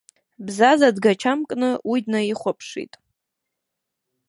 Бзаза дгачамкны уи днаихәаԥшит.